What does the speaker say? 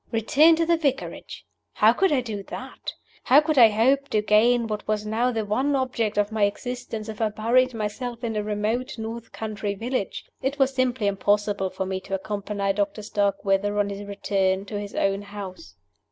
Return to the Vicarage! How could I do that? How could I hope to gain what was now the one object of my existence if I buried myself in a remote north country village? It was simply impossible for me to accompany Doctor Starkweather on his return to his own house.